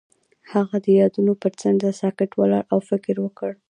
هغه د یادونه پر څنډه ساکت ولاړ او فکر وکړ.